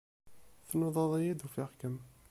Tnudaḍ-iyi-d, ufiɣ-kem.